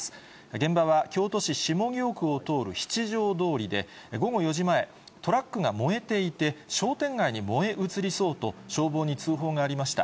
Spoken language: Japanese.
現場は、京都市下京区を通る七条通で、午後４時前、トラックが燃えていて、商店街に燃え移りそうと、消防に通報がありました。